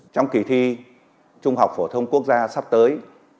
trong kỳ thi trung học phổ thông quốc gia sắp tới